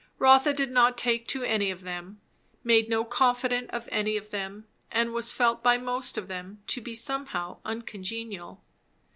Rotha did not take to any of them; made no confident of any of them; and was felt by most of them to be somehow uncongenial.